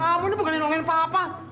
kamu ini bukan yang nolongin pak apa